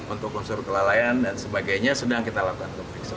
untuk konser kelalaian dan sebagainya sedang kita lakukan